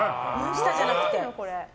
舌じゃなくて。